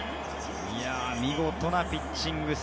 見事なピッチング。